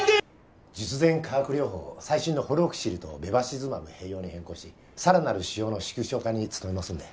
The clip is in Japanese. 術前化学療法を最新のＦＯＬＦＯＸＩＲＩとベバシズマブ併用に変更しさらなる腫瘍の縮小化に努めますので。